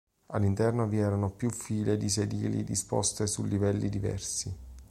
All'interno vi erano più file di sedili disposte su livelli diversi.